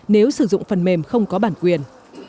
nếu sử dụng phần mềm không có bản quyền